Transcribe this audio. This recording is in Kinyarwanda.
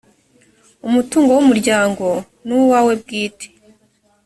umutungo w‘umuryango ni uwawo bwite